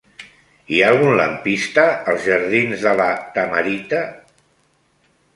Hi ha algun lampista als jardins de La Tamarita?